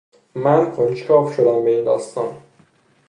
من کنجکاو شدم به این داستان.